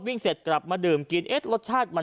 เสร็จกลับมาดื่มกินเอ๊ะรสชาติมัน